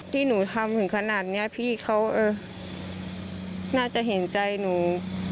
ที่หนูทำถึงขนาดนี้พี่เขาน่าจะเห็นใจหนู